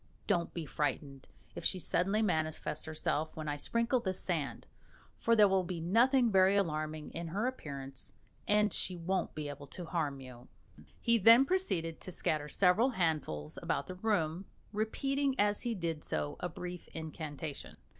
Don't be frightened if she suddenly manifests herself when I sprinkle this sand, for there will be nothing very alarming in her appearance, and she won't be able to harm you." He then proceeded to scatter several handfuls about the room, repeating as he did so a brief incantation.